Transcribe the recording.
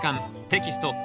テキスト８